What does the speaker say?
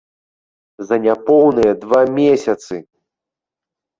За няпоўныя два месяцы!